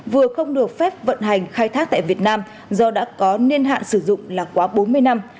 vừa không được phép vận hành khai thác tại việt nam do đã có niên hạn sử dụng là quá bốn mươi năm